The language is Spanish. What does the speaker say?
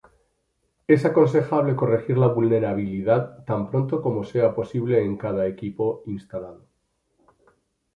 Es aconsejable corregir la vulnerabilidad tan pronto como sea posible en cada equipo instalado.